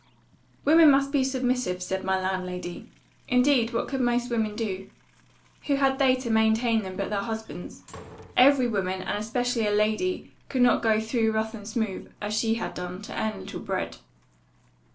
"'Women must be submissive,' said my landlady. 'Indeed what could most women do? Who had they to maintain them, but their husbands? Every woman, and especially a lady, could not go through rough and smooth, as she had done, to earn a little bread.